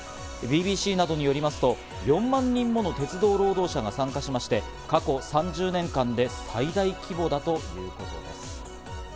ＢＢＣなどによりますと４万人もの鉄道労働者が参加しまして、過去３０年間で最大規模だということです。